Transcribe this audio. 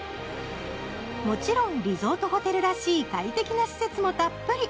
もちろんリゾートホテルらしい快適な施設もたっぷり。